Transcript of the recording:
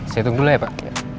saya tunggu dulu ya pak